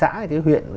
hay là cái huyện